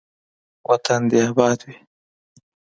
وطن دې اباد وي.